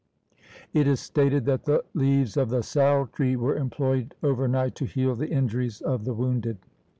It is stated that the leaves of the sal 1 tree were employed overnight to heal the injuries of the wounded.